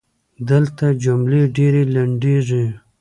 دلته جملې ډېري لنډیږي.